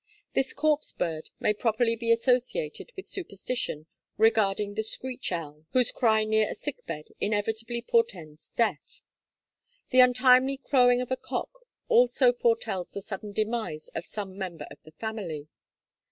This corpse bird may properly be associated with the superstition regarding the screech owl, whose cry near a sick bed inevitably portends death. The untimely crowing of a cock also foretells the sudden demise of some member of the family.